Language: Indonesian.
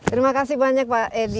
terima kasih banyak pak edi